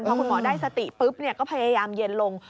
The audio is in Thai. พอคุณหมอได้สติปุ๊บก็พยายามเย็นลง